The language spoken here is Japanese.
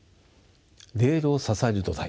レールを支える土台